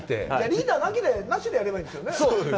リーダーなしでやればいいんですよね？